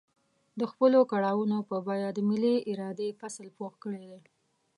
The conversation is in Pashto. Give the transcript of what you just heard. د خپلو کړاوونو په بيه د ملي ارادې فصل پوخ کړی دی.